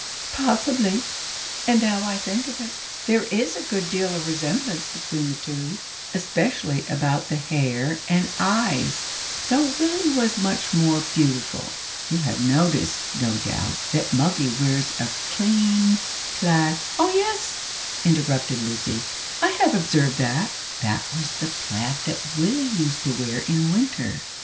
"Possibly; and, now I think of it, there is a good deal of resemblance between the two, especially about the hair and eyes, though Willie was much more beautiful. You have noticed, no doubt, that Moggy wears a clean plaid " "Oh, yes," interrupted Lucy; "I have observed that." "That was the plaid that Willie used to wear in winter.